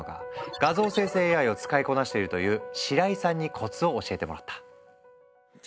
画像生成ＡＩを使いこなしているという白井さんにコツを教えてもらった。